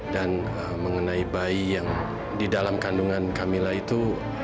dan mengenai bayi yang di dalam kandungan kamilah itu